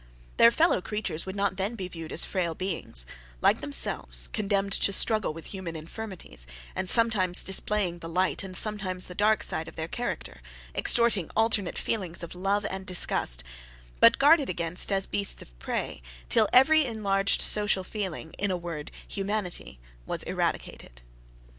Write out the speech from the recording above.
Their fellow creatures would not then be viewed as frail beings; like themselves, condemned to struggle with human infirmities, and sometimes displaying the light and sometimes the dark side of their character; extorting alternate feelings of love and disgust; but guarded against as beasts of prey, till every enlarged social feeling, in a word humanity, was eradicated.